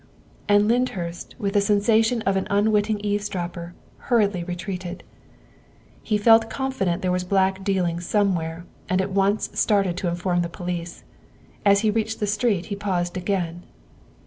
And Lyndhurst, with the sensation of an unwitting eavesdropper, hurriedly retreated. He felt confident there was black dealing somewhere, and at once started to inform the police. As he reached the street he paused again.